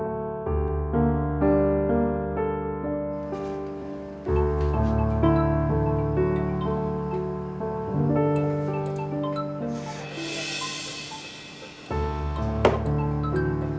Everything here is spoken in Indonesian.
aku mau ke rumah